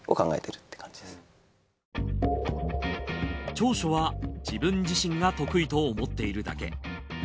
長所は自分自身が得意と思っているだけ。